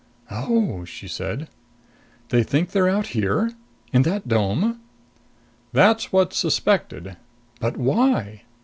"Oh," she said. "They think they're out here? In that dome?" "That's what's suspected." "But why?"